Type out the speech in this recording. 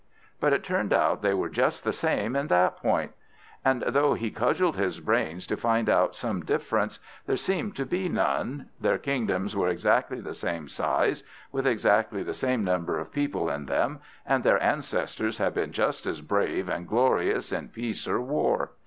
" But it turned out they were just the same in that point; and though he cudgelled his brains to find out some difference, there seemed to be none; their kingdoms were exactly the same size, with exactly the same number of people in them, and their ancestors had been just as brave and glorious in peace or war.